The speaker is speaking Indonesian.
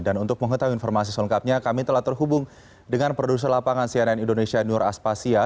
dan untuk mengetahui informasi selengkapnya kami telah terhubung dengan produser lapangan cnn indonesia nur aspasya